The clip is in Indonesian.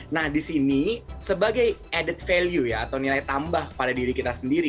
nah di sini sebagai added value ya atau nilai tambah pada diri kita sendiri